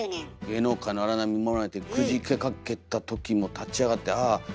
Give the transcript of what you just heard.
「芸能界の荒波にもまれてくじけかけた時も立ち上がってああ」。